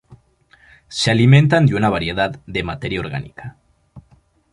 Se alimentan de una variedad de materia orgánica.